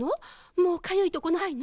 もうかゆいとこないの？